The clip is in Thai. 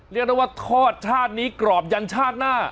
เรียกได้ว่าทอดชาตินี้กรอบยันชาติหน้า